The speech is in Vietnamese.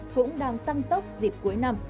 cũng đang tăng tốc dịp cuối năm